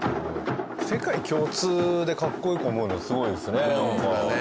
世界共通でかっこよく思えるのすごいですねなんか。